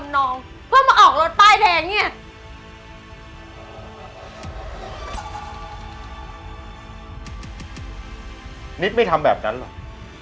นิดไม่ทำแบบนั้นหรอก